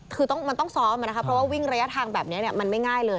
คือมันต้องซ้อมนะครับเพราะว่าวิ่งระยะทางแบบนี้มันไม่ง่ายเลย